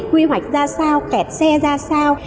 quy hoạch ra sao kẹt xe ra sao